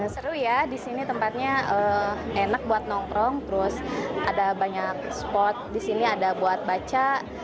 seru ya di sini tempatnya enak buat nongkrong terus ada banyak spot di sini ada buat baca